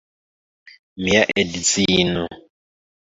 Mia edzino!